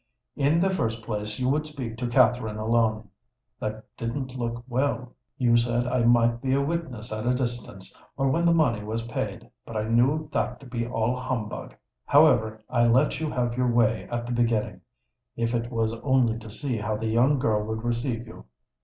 In the first place you would speak to Katherine alone: that didn't look well. You said I might be a witness at a distance—or when the money was paid; but I knew that to be all humbug. However, I let you have your way at the beginning—if it was only to see how the young girl would receive you.